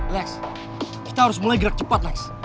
lex kita harus mulai gerak cepat lex